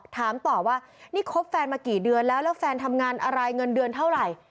ถามต่อว่านี่คบแฟนมากี่เดือนแล้วแล้วแฟนทำงานอะไรเงินเดือนเท่าไหร่